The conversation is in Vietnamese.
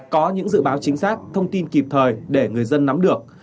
có những dự báo chính xác thông tin kịp thời để người dân nắm được